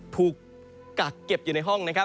ถูกกักเก็บอยู่ในห้อง